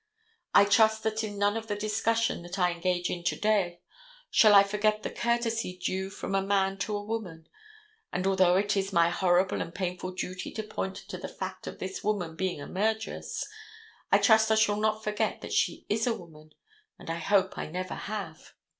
I trust that in none of the discussion that I engage in to day shall I forget the courtesy due from a man to a woman; and although it is my horrible and painful duty to point to the fact of this woman being a murderess, I trust I shall not forget that she is a woman, and I hope I never have.